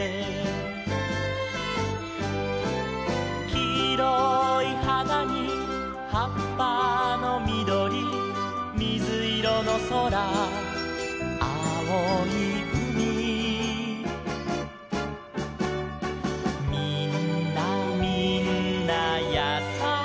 「きいろいはなにはっぱのみどり」「みずいろのそらあおいうみ」「みんなみんなやさしかった」